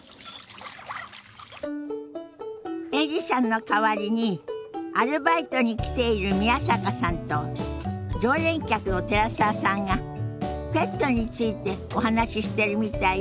エリさんの代わりにアルバイトに来ている宮坂さんと常連客の寺澤さんがペットについてお話ししてるみたいよ。